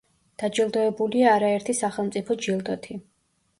დაჯილდოებულია არაერთი სახელმწიფო ჯილდოთი.